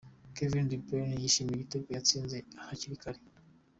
Kevin De Bryne yishimira igitego yatsinze hakiri kare.